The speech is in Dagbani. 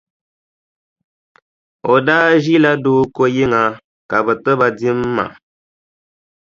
O daa ʒila Dooko yiŋa ka bɛ ti ba dimma.